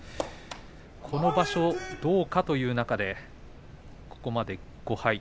この場所をどうかという中でここまで５敗。